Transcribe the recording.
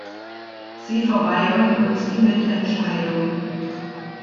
Sie verweigern uns die Mitentscheidung.